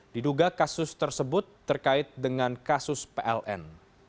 diduga kasus tersebut terkait dengan kasus pln